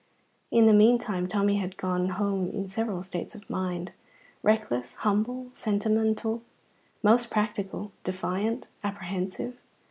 In the meantime Tommy had gone home in several states of mind reckless, humble, sentimental, most practical, defiant, apprehensive.